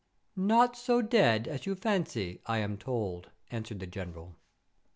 "Not so dead as you fancy, I am told," answered the General.